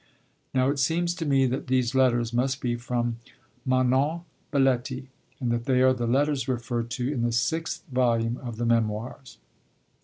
Now, it seems to me that these letters must be from Manon Baletti, and that they are the letters referred to in the sixth volume of the Memoirs.